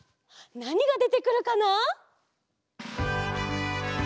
なにがでてくるかな？